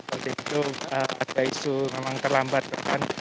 ada isu memang terlambat kan